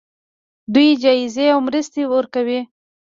دوی جایزې او مرستې ورکوي.